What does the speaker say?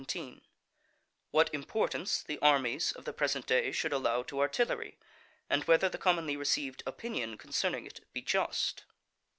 —_What importance the Armies of the present day should allow to Artillery; and whether the commonly received opinion concerning it be just.